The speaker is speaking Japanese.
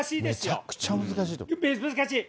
めちゃくちゃ難しい。